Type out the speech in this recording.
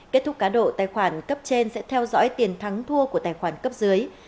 kết thúc cá độ tài khoản cấp trên sẽ theo dõi tiền thắng thua của tài khoản cấp dưới